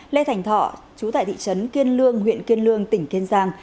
lê thành thọ chú tại thị trấn kiên lương huyện kiên lương tỉnh kiên giang